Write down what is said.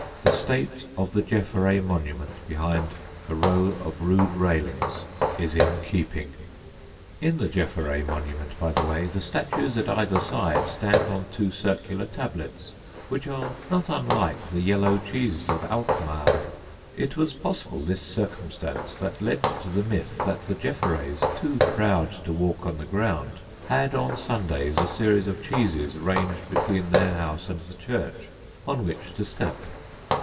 The state of the Jefferay monument behind a row of rude railings is in keeping. [Sidenote: THE PROUD JEFFERAYS] In the Jefferay monument, by the way, the statues at either side stand on two circular tablets, which are not unlike the yellow cheeses of Alkmaar. It was possibly this circumstance that led to the myth that the Jefferays, too proud to walk on the ground, had on Sundays a series of cheeses ranged between their house and the church, on which to step.